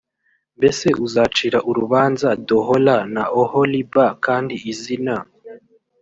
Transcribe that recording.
mbese uzacira urubanza d ohola na oholiba kandi izina